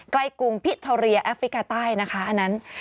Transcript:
ใกล้กรุงพิทรเทอร์เรียแอฟริกาใต้นะคะอันนั้น